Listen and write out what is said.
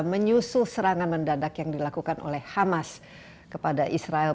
menyusul serangan mendadak yang dilakukan oleh hamas kepada israel